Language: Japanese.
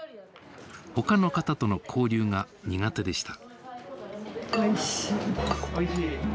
ほかの方との交流が苦手でした。